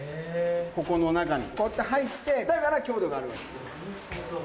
ここの中にこうやって入って、だから強度があるわけ。